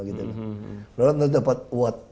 kalau anda dapat watt